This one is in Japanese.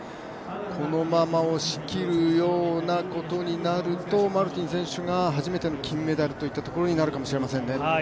このまま押し切るようなことになるとマルティン選手が初めての金メダルということになるでしょうね。